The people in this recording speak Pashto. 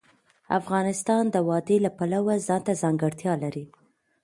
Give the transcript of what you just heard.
افغانستان د وادي د پلوه ځانته ځانګړتیا لري.